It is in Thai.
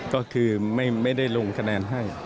ก็คือไม่ได้ลงคะแนนให้